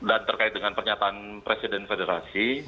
dan terkait dengan pernyataan presiden federasi